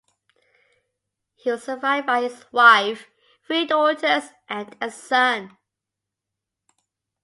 He was survived by his wife, three daughters and a son.